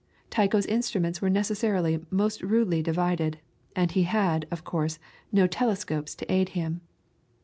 Tycho's instruments were necessarily most rudely divided, and he had, of course, no telescopes to aid him.